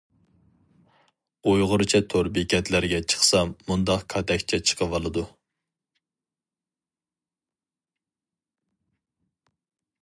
ئۇيغۇرچە تور بەتلەرگە چىقسام مۇنداق كاتەكچە چىقىۋالىدۇ.